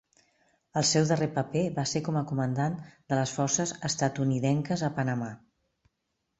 El seu darrer paper va ser com a comandant de les forces estatunidenques a Panamà.